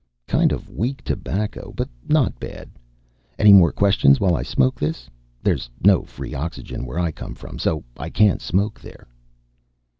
"Kind of weak tobacco, but not bad. Any more questions while I smoke this? There's no free oxygen where I come from, so I can't smoke there."